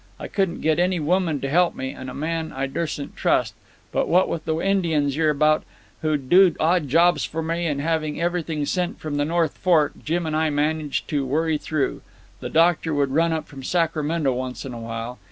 I couldn't get any woman to help me, and a man I dursen't trust; but what with the Indians hereabout, who'd do odd jobs for me, and having everything sent from the North Fork, Jim and I managed to worry through. The Doctor would run up from Sacramento once in a while.